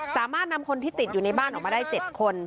สามารถนำคนที่ติดอยู่ในบ้านออกมาได้๗คน